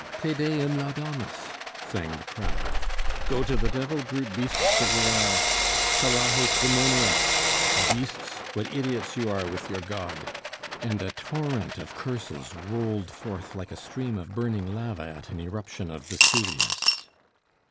"Te Deum laudamus!" sang the crowd. "Go to the devil, brute beasts that you are! 'Carajos demonios!' Beasts! what idiots you are with your God!" And a torrent of curses rolled forth like a stream of burning lava at an eruption of Vesuvius.